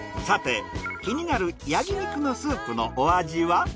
さて気になるヤギ肉のスープのお味は？